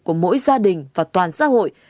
của mỗi gia đình và toàn xã hội